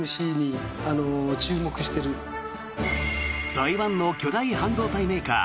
台湾の巨大半導体メーカー